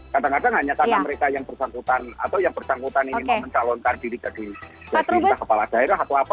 kadang kadang hanya karena mereka yang bersangkutan atau yang bersangkutan ingin mencalonkan diri jadi entah kepala daerah atau apa